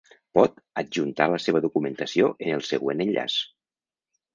Pot adjuntar la seva documentació en el següent enllaç:.